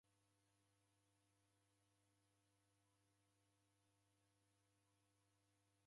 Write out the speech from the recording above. W'uda ghwadaw'unja w'andu nanyuma